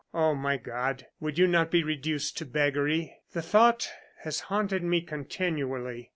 Oh, my God, would you not be reduced to beggary? "The thought has haunted me continually.